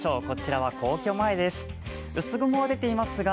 こちらは皇居前です。